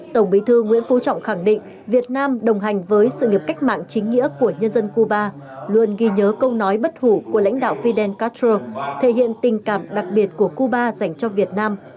tổng bí thư nguyễn phú trọng khẳng định việt nam đồng hành với sự nghiệp cách mạng chính nghĩa của nhân dân cuba luôn ghi nhớ câu nói bất hủ của lãnh đạo fidel castro thể hiện tình cảm đặc biệt của cuba dành cho việt nam